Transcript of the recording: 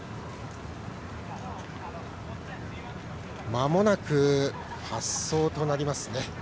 まもなく発走となります。